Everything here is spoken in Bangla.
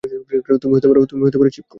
তুমি হতে পারো, চিপকু।